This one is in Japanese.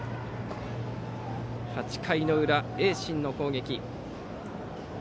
８回の裏、盈進の攻撃。